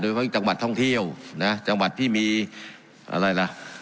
ทั้งจังหวัดท่องเที่ยวนะจังหวัดที่มีอะไรล่ะ